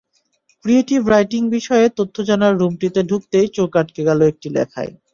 Creative writing বিষয়ে তথ্য জানার রুমটিতে ঢুকতেই চোখ আটকে গেল একটি লেখায়।